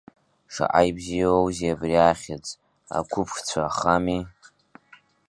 Шаҟа ибзиоузеи абри ахьӡ, ақәыԥш цәа ахами…